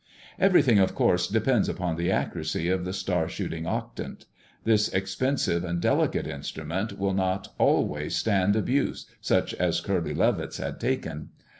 Everything, of course, depends upon the accuracy of the star shooting octant. This expensive and delicate instrument will not always stand abuse such as Curly Levitt's had taken.